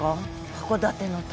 函館の旅。